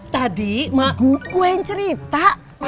tadi maku kuen cerita